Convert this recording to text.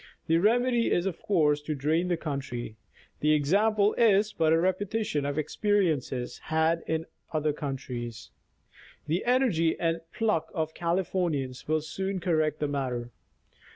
The remedy is of course to drain the country. The example is but a repetition of experiences had in other countries. The energy and pluck of Californians will soon correct the matter.